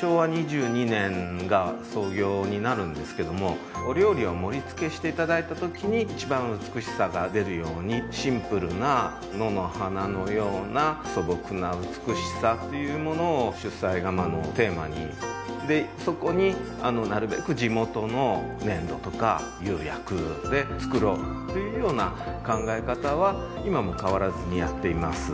昭和２２年が創業になるんですけどもお料理を盛り付けしていただいたときに一番美しさが出るようにシンプルな野の花のような素朴な美しさっていうものを出西窯のテーマにでそこになるべく地元の粘土とか釉薬で作ろうというような考え方は今も変わらずにやっています